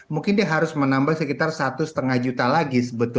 mungkin dia harus menambah sekitar satu lima juta lagi sebetulnya